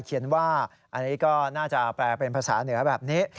เขียนว่าอันนี้ก็น่าจะแปลเป็นภาษาเหนือแบบนี้